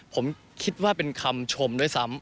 ผมคิดว่าเป็นคำชมด้วยซ้ำ